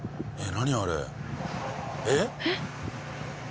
何？